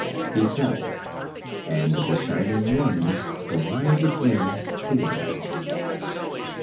He fell, and the shining ones glided in toward him.